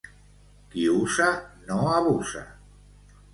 Qui usa no abusa.